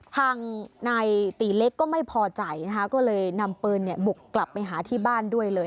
ทางนายตีเล็กก็ไม่พอใจนะคะก็เลยนำปืนบุกกลับไปหาที่บ้านด้วยเลย